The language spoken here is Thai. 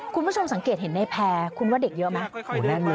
คุณผู้ชมสังเกตเห็นในแพร่คุณว่าเด็กเยอะไหม